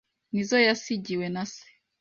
ni izo yasigiwe na Se